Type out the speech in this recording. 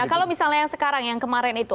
kalau misalnya yang sekarang yang kemarin itu